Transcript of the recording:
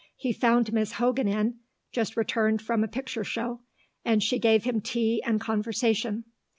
He found Miss Hogan in, just returned from a picture show, and she gave him tea and conversation.